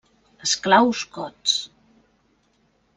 Esclaus gots.